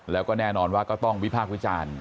แล้วก็แน่นอนว่าก็ต้องวิพากษ์วิจารณ์